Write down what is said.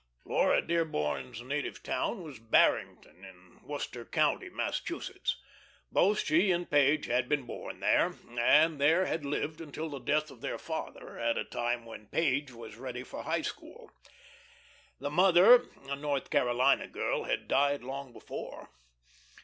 II Laura Dearborn's native town was Barrington, in Worcester County, Massachusetts. Both she and Page had been born there, and there had lived until the death of their father, at a time when Page was ready for the High School. The mother, a North Carolina girl, had died long before.